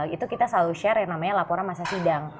itu kita selalu share yang namanya laporan masa sidang